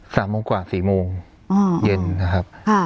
สามโมงกว่าสี่โมงอ๋อเย็นนะครับค่ะ